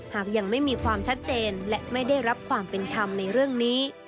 หากยังไม่มีความชัดเจนและไม่ได้รับความเป็นธรรมในเรื่องนี้